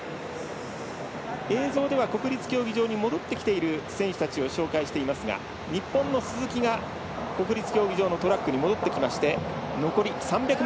映像では国立競技場に戻ってきている選手たちを紹介していますが日本の鈴木が国立競技場のトラックに戻ってきました。